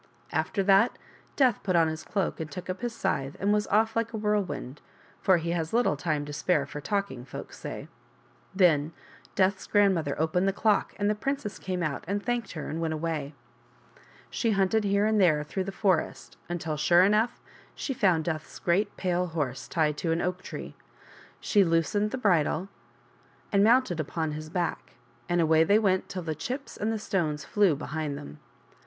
After that Death put on his cloak and took up his scythe and was off like a whirlwind, for he has little time to spare for talking, folks say. Then Death's grandmother opened the clock, and the princess came out and thanked her ahd went her way. She hunted here and there through the forest until, sure enough, she found Death's great pale horse tied to an oak tree. She loosened the bridle and mounted upon his back, and away they went till the chips and the stones flew behind them.